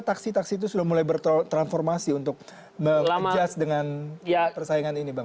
taksi taksi itu sudah mulai bertransformasi untuk adjust dengan persaingan ini bang